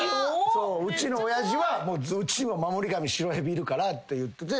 うちの親父は「うちは守り神白蛇いるから」って言ってて。